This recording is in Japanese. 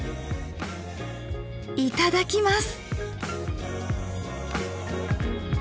いただきます。